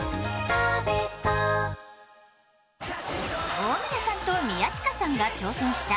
大村さんと宮近さんが体験した